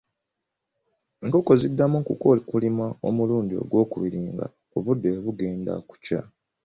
Enkoko ziddamu okukookolima omulundi ogwokubiri nga obudde bugenda kukya.